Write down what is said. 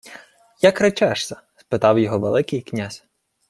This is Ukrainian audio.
— Як речешся? — спитав його Великий князь.